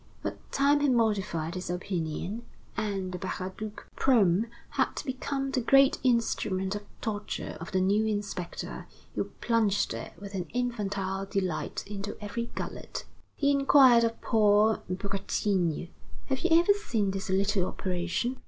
But time had modified his opinion, and the Baraduc probe had become the great instrument of torture of the new inspector, who plunged it with an infantile delight into every gullet. He inquired of Paul Bretigny: "Have you ever seen this little operation?"